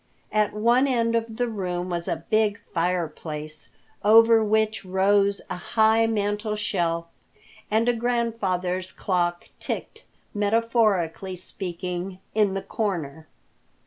At one end of the room was a big fireplace, over which rose a high mantel shelf, and a grandfather's clock ticked, metaphorically speaking, in the corner.